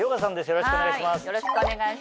よろしくお願いします。